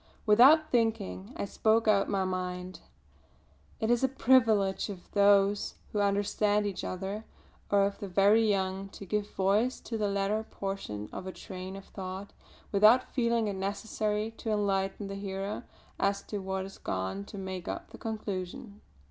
Without thinking, I spoke out my mind. It is a privilege of those who understand each other, or of the very young, to give voice to the latter portion of a train of thought without feeling it necessary to enlighten the hearer as to what has gone to make up the conclusion.